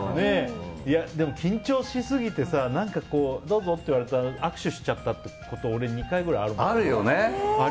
でも緊張しすぎてさどうぞって言われたら握手しちゃったこと俺、２回くらいある。